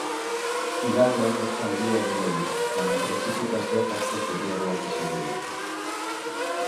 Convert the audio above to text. Igandean hotz handia egingo du, baina prezipitazioak askoz urriagoak izango dira.